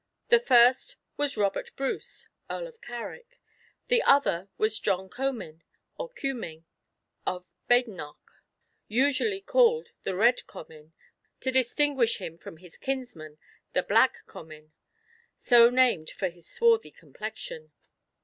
The first was Robert Bruce, Earl of Carrick; the other was John Comyn, or Cuming, of Badenoch, usually called the Red Comyn, to distinguish him from his kinsman, the Black Comyn, so named from his swarthy complexion.